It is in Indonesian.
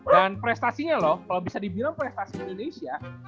dan prestasinya loh kalau bisa dibilang prestasi indonesia